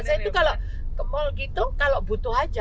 saya itu kalau ke mall gitu kalau butuh aja